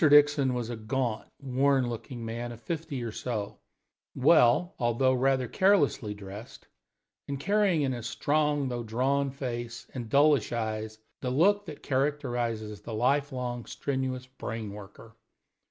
Dixon was a gaunt, worn looking man of fifty or so, well, although rather carelessly, dressed, and carrying in his strong, though drawn, face and dullish eyes the look that characterizes the life long strenuous brain worker.